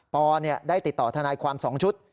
ปอร์ได้ติดต่อทนายความสองชุด